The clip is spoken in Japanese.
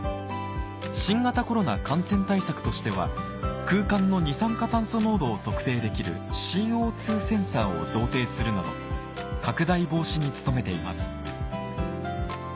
新型コロナ感染対策としては空間の二酸化炭素濃度を測定できるＣＯセンサーを贈呈するなど拡大防止に努めています